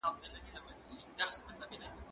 مکتب خلاص کړه!.